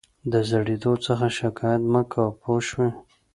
د زړېدو څخه شکایت مه کوه پوه شوې!.